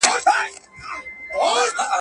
o نغرى پر درو پښو درېږي.